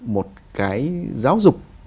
một cái giáo dục